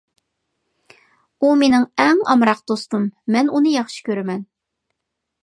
ئۇ مېنىڭ ئەڭ ئامراق دوستۇم. مەن ئۇنى ياخشى كۆرىمەن.